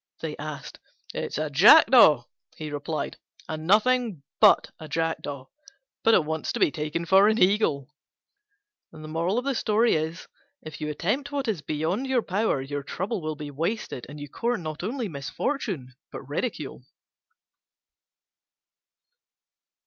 they asked. "It's a Jackdaw," he replied, "and nothing but a Jackdaw: but it wants to be taken for an Eagle." If you attempt what is beyond your power, your trouble will be wasted and you court not only misfortune but ridicule.